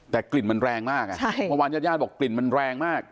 แต่กลิ่นมันแรงมากเมื่อวานญาติญาติบอกกลิ่นมันแรงมาก